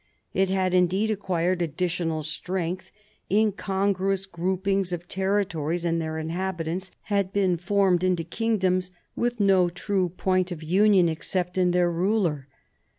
It had indeed acquired additional strength; incongruous groupings of territories and their inhabitants had been formed into kingdoms with no true point of 4 MARIA THERESA chap, i union except in their ruler.